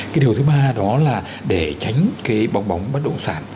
cái điều thứ ba đó là để tránh cái bong bóng bất động sản